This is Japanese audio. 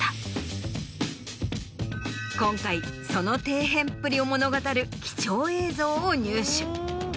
今回その底辺っぷりを物語る貴重映像を入手。